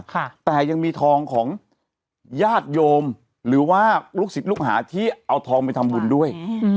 แต่ยังมีทองของญาติโยมหรือว่าลูกศิษย์ลูกหาที่เอาทองไปทำบุญด้วยอืม